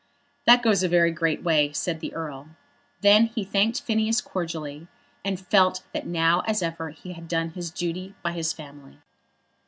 "That goes a very great way," said the Earl. Then he thanked Phineas cordially, and felt that now as ever he had done his duty by his family.